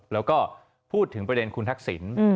แล้วก็พูดถึงประเด็นคุณทักษิณ